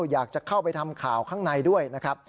อยากจะเข้าไปทำข่าวข้างในด้วยนะครับ